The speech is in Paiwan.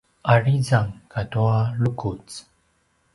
’arizang katua lukuc